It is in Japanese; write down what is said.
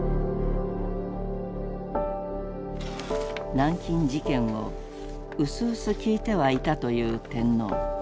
南京事件を「ウスウス聞いてはゐた」と言う天皇。